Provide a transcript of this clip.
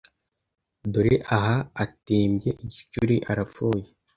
Dore aha atembye igicuri arapfuye